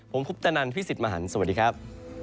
ผมคุปตะนันพี่สิทธิ์มหันฯสวัสดีครับ